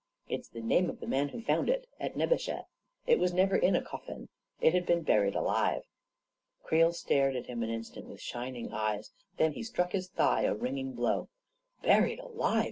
" It's the name of the man who found it — at Nebesheh. It was never in a coffin. It had been buried alive." Creel stared at him an instant with shining eyts ; then he struck his thigh a ringing blow. "Buried alive!"